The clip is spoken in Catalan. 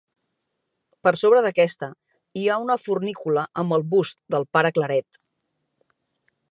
Per sobre d'aquesta hi ha una fornícula amb el bust del pare Claret.